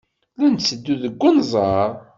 La netteddu deg unẓar.